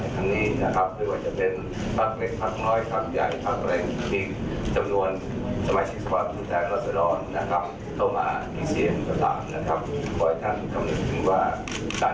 จะได้รับความบริวัติใจจากนิยองประชาชนมันจะมากขอแทนอันตรีในรายกว่าตา